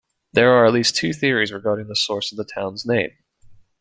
There are at least two theories regarding the source of the town's name.